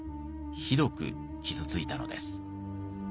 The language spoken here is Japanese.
ひどく傷ついたのです。